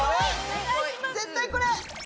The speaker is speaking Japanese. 絶対これ！